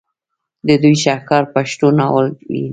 د دوي شاهکار پښتو ناول دے